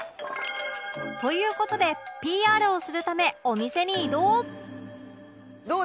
という事で ＰＲ をするためお店に移動